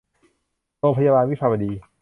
โรงพยาบาลวิภาวดี